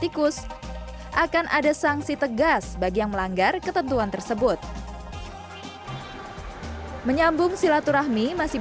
tikus akan ada sanksi tegas bagi yang melanggar ketentuan tersebut menyambung silaturahmi masih